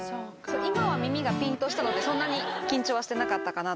今は耳がピンとしたのでそんなに緊張はしてなかったかなと。